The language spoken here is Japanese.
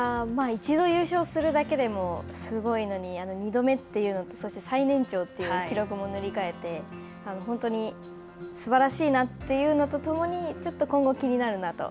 一度優勝するだけでもすごいのに、二度目というのと、そして最年長という記録も塗り替えて、本当にすばらしいなというのとともにちょっと今後、気になるなと。